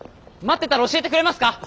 待ってたら教えてくれますか！？